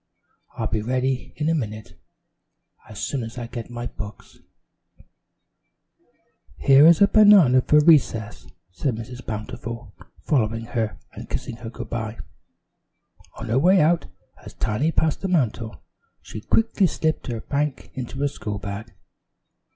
"I'll be ready in a minute, as soon as I get my books." "Here is a banana for recess," said Mrs. Bountiful, following her and kissing her good by. On her way out as Tiny passed the mantel, she quickly slipped her bank into her school bag.